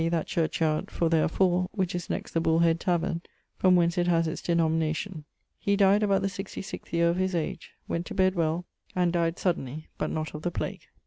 that churchyard (for there are four) which is next the Bullhead taverne, from whence it has its denomination. He dyed about the 66th yeare of his age: went to bed well, and dyed suddenly but not of the plague.